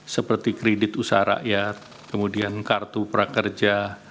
seperti kredit usaha rakyat kemudian kartu prakerja